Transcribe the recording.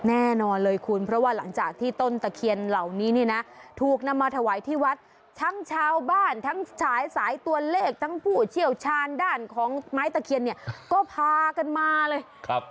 แน่นอนเลยคุณเพราะว่าหลังจากที่ต้นตะเคียนเหล่านี้เนี่ยนะถูกนำมาถวายที่วัดทั้งชาวบ้านทั้งฉายสายตัวเลขทั้งผู้เชี่ยวชาญด้านของไม้ตะเคียนเนี่ยก็พากันมาเลยครับ